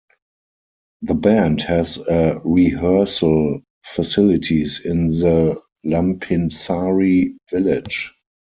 The band has a rehearsal facilities in the Lampinsaari village.